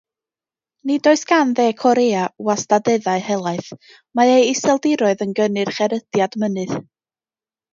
Nid oes gan Dde Korea wastadeddau helaeth; mae ei iseldiroedd yn gynnyrch erydiad mynydd.